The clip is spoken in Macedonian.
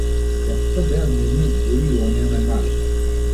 Децата беа мирни, дури и оние најмалите.